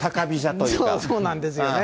そうなんですよね。